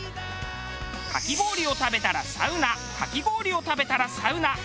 かき氷を食べたらサウナかき氷を食べたらサウナ。